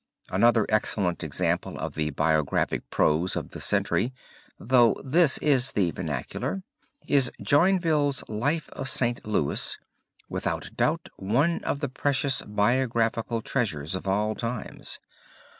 '" Another excellent example of the biographic prose of the century, though this is the vernacular, is Joinville's life of St. Louis, without doubt one of the precious biographical treasures of all times.